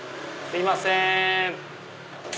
すいません。